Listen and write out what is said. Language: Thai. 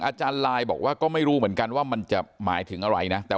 อาจารย์ลายบอกว่าก็ไม่รู้เหมือนกันว่ามันจะหมายถึงอะไรนะ